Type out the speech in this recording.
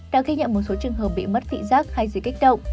đã ghi nhận một số trường hợp bị mất vị giác hay dưới kích động